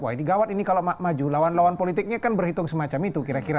wah ini gawat ini kalau maju lawan lawan politiknya kan berhitung semacam itu kira kira